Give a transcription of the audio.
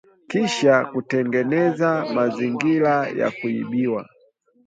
kisha kutengeneza mazingira ya kuibiwa